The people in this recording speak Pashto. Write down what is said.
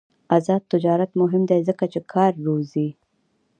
آزاد تجارت مهم دی ځکه چې کار روزي.